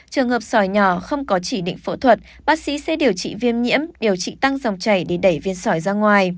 trường hợp sỏi nhỏ không có chỉ định phẫu thuật bác sĩ sẽ điều trị viêm nhiễm điều trị tăng dòng chảy để đẩy viên sỏi ra ngoài